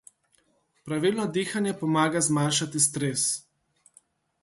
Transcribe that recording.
Pravilno dihanje pomaga zmanjšati stres.